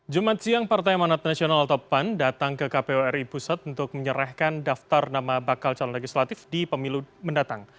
jumat siang partai manat nasional atau pan datang ke kpu ri pusat untuk menyerahkan daftar nama bakal calon legislatif di pemilu mendatang